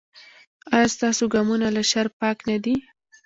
ایا ستاسو ګامونه له شر پاک نه دي؟